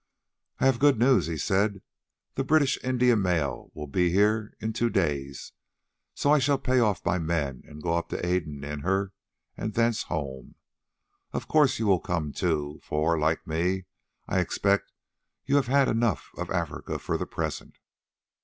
"I have got good news," he said; "the British India mail will be here in two days, so I shall pay off my men and go up to Aden in her, and thence home. Of course you will come too, for, like me, I expect you have had enough of Africa for the present.